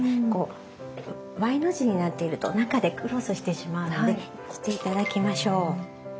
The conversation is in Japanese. こうＹの字になっていると中でクロスしてしまうので切って頂きましょう。